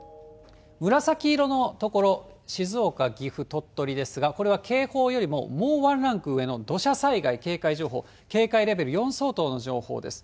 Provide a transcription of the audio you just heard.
紫色の所、静岡、岐阜、鳥取ですが、これは警報よりももう１ランク上の土砂災害警戒情報、警戒レベル４相当の情報です。